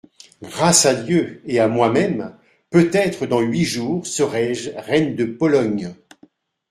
Grâce à Dieu et à moi-même, peut-être dans huit jours serai-je reine de Pologne.